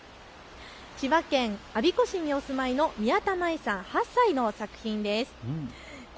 千葉県我孫子市にお住まいのみやたまいさん、８歳の作品です。